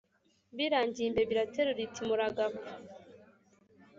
birangiye imbeba iraterura iti muragapfa